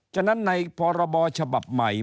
จนั้นในพรบฉม